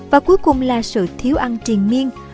và cuối cùng là sự thiếu ăn triền miên